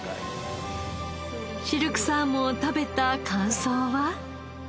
シルクサーモンを食べた感想は？